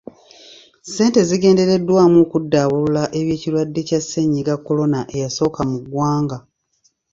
Ssente zigendereddwamu okuddabulula ebyekirwadde kya sennyiga kolona eyakosa muggwanga.